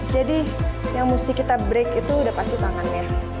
jadi yang mesti kita break itu udah pasti tangannya